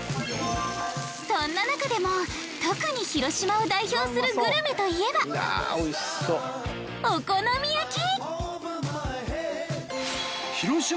そんな中でも特に広島を代表するグルメといえばお好み焼き！